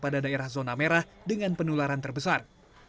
pada daerah zona merah dengan penularan terbesar